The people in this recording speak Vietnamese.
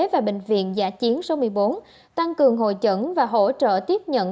và bệnh viện giã chiến số một mươi bốn tăng cường hồi chẩn và hỗ trợ tiếp nhận